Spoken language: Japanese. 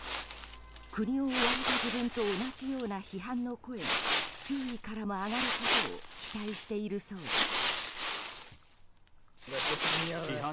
国を追われた自分と同じような批判の声が周囲からも上がることを期待しているそうです。